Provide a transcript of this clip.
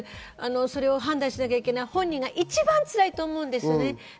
それを判断しなきゃいけない本人が一番つらいと思うんですね。